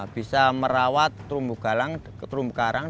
bisa merawat terumbu galang terumbu karang